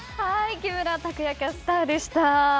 木村キャスターでした。